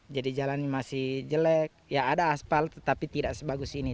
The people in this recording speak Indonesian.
jadi jalan masih jelek ya ada asfal tetapi tidak sebagus ini